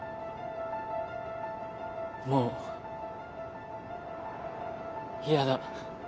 もう嫌だ。